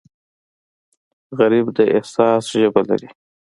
غریب د احساس ژبه لري